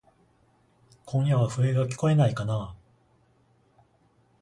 今夜は笛がきこえないかなぁ。